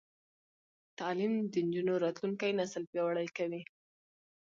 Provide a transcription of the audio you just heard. تعلیم د نجونو راتلونکی نسل پیاوړی کوي.